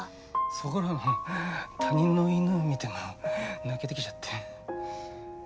そこらの他人の犬を見ても泣けてきちゃって。